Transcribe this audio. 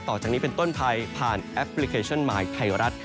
ต่อจากนี้เป็นต้นปลายผ่านแอปพลิเคชันหมายไขรัฐ